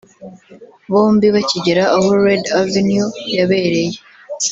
Bombi bakigera aho Red Avenue yabereye